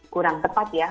kurang tepat ya